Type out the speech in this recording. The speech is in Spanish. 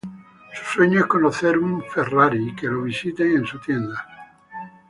Su sueño es conocer un Ferrari y que lo visite en su tienda.